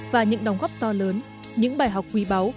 và những đóng góp to lớn những bài học quý báu